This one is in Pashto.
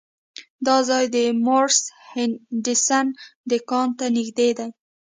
دا ځای د مورس هډسن دکان ته نږدې دی.